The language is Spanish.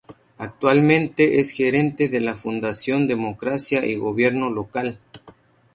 Actualmente es gerente de la Fundación Democracia y Gobierno Local.